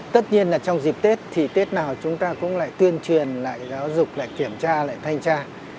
tất nhiên là trong dịp tết thì tết nào chúng ta cũng lại tuyên truyền lại giáo dục lại kiểm tra lại thanh tra